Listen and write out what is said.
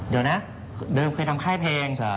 เดี๋ยวนะเดิมเคยทำค่ายเพลง